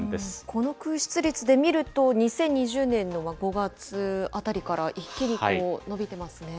この空室率で見ると、２０２０年の５月あたりから一気に伸びてますね。